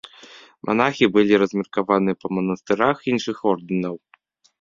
Манахі былі размеркаваны па манастырах іншых ордэнаў.